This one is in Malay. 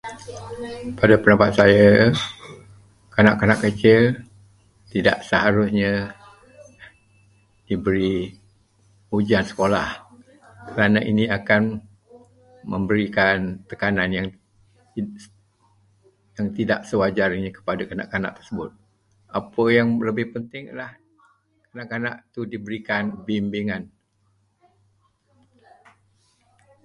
Pada pendapat saya, kanak-kanak Malaysia tidak seharusnya diberi ujian sekolah. Kerana ini akan memberikan tekanan yang tidak sewajarnya kepada kanak-kanak tersebut. Apa yang lebih penting ialah kanak-kanak itu diberi bimbingan.